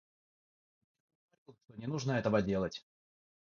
Я ему говорил, что не нужно этого делать!